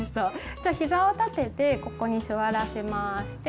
じゃあひざを立ててここに座らせます。